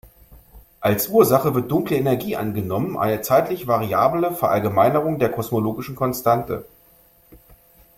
Als Ursache wird Dunkle Energie angenommen, eine zeitlich variable Verallgemeinerung der kosmologischen Konstante.